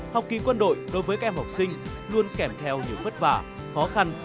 học ký quân đội đối với các em học sinh luôn kèm theo nhiều phất vả khó khăn